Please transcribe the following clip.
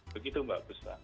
begitu mbak buslan